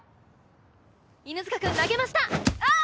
犬塚くん投げましたああ！